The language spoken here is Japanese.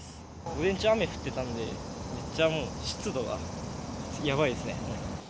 午前中、雨降ってたんで、めっちゃもう、湿度がやばいですね。